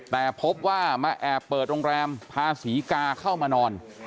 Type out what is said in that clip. แต่พบว่ามาแอบเปิดโรงแรมพาศรีกาเข้ามานอน